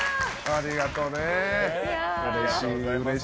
ありがとうー！